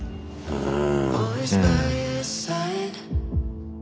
うん。